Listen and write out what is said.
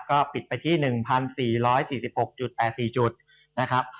ก็ปิดไปที่๑๔๔๖๘๔จุดนะครับ